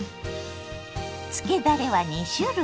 つけだれは２種類。